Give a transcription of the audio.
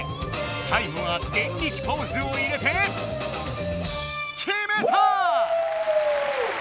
さい後はデンリキポーズを入れてきめた！